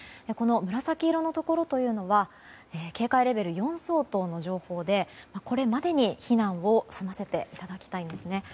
紫色のところは警戒レベル４相当の情報でこれまでに避難を済ませていただきたいんですね。